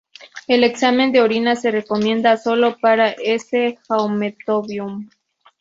El examen de orina se recomienda sólo para "S.haematobium".